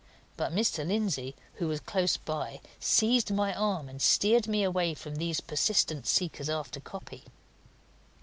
But Mr. Lindsey, who was close by, seized my arm and steered me away from these persistent seekers after copy.